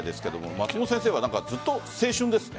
松本先生はずっと青春ですか？